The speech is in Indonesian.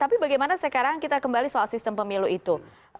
tapi bagaimana sekarang kita kembali soal sistem pemilu itu